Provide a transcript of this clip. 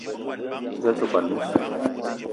Za a te kwuan a messong?